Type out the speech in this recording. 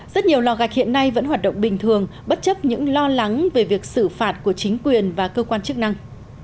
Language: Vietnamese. rất nhiều lò gạch hiện nay vẫn hoạt động bình thường bất chấp những lo lắng về việc xử phạt của chính quyền và cơ quan chức năng